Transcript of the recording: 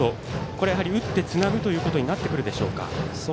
これは、やはり打ってつなぐということになってくるでしょうか？